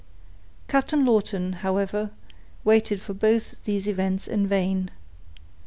Captain Lawton, however, waited for both these events in vain.